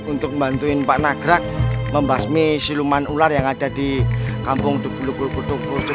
untuk membantuin pak nagrak membasmi siluman ular yang ada di kampung dukul dukul dukul ini